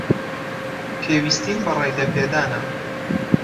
پێویستیم بە ڕێگەپێدانە.